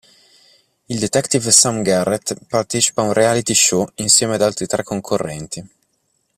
Il detective Sam Garrett partecipa ad un "reality show" insieme ad altri tre concorrenti.